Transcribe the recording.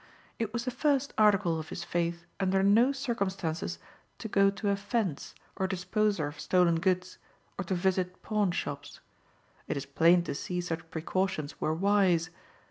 It was the first article of his faith under no circumstances to go to a "fence" or disposer of stolen goods, or to visit pawnshops. It is plain to see such precautions were wise.